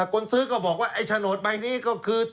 คนซื้อก็บอกว่าไอ้โฉนดใบนี้ก็คือ